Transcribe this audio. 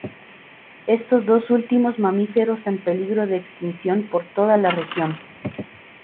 Estos dos últimos mamíferos en peligro de extinción por toda la región.